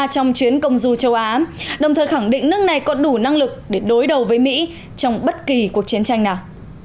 trong chuyến công du châu á đồng thời khẳng định nước này có đủ năng lực để đối đầu với mỹ trong bất kỳ cuộc chiến tranh nào